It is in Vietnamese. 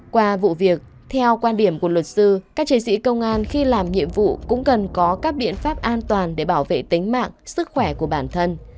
qua vụ việc theo quan điểm của luật sư các chiến sĩ công an khi làm nhiệm vụ cũng cần có các biện pháp an toàn để bảo vệ tính mạng sức khỏe của bản thân